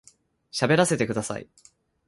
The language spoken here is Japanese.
喋らせてください